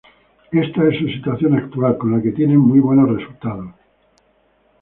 Esta es su situación actual con la que tiene muy buenos resultados.